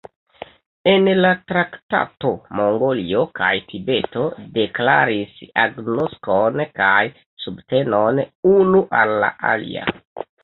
En la traktato Mongolio kaj Tibeto deklaris agnoskon kaj subtenon unu al la alia.